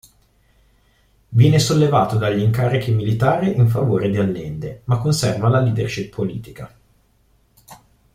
Viene sollevato dagli incarichi militari in favore di Allende ma conserva la leadership politica.